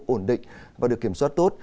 ổn định và được kiểm soát tốt